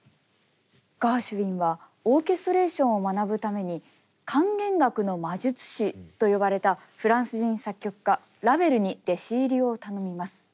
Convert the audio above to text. ガーシュウィンはオーケストレーションを学ぶために管弦楽の魔術師と呼ばれたフランス人作曲家ラヴェルに弟子入りを頼みます。